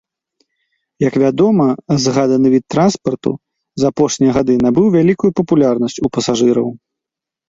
Як вядома, згаданы від транспарту за апошнія гады набыў вялікую папулярнасць у пасажыраў.